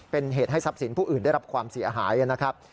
เป็นเหตุให้ทรัพย์สินผู้อื่นได้รับความเสียหายนะครับ